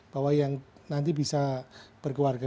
bahwa yang nanti bisa berkewarga negara